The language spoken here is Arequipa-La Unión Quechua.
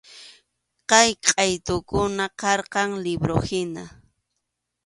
Kay qʼaytukunam karqan liwruhina.